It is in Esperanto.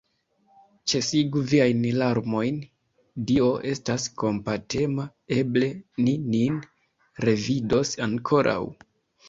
Ĉesigu viajn larmojn, Dio estas kompatema, eble ni nin revidos ankoraŭ!